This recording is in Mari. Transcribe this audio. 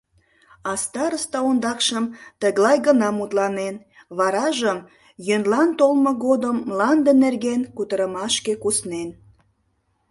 А староста ондакшым тыглай гына мутланен, варажым йӧнлан толмо годым мланде нерген кутырымашке куснен.